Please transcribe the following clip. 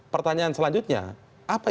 pertanyaan selanjutnya apa